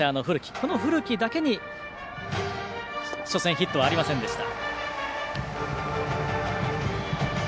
この古木だけ、初戦ヒットがありませんでした。